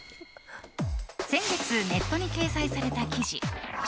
先月、ネットに掲載された記事。